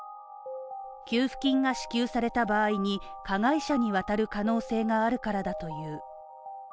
給付金が支給された場合に加害者に渡る可能性があるからだという。